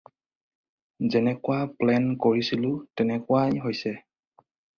যেনেকুৱা প্লেন কৰিছিলোঁ তেনেকুৱাই হৈছে।